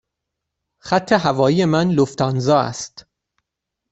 خط هوایی من لوفتانزا است.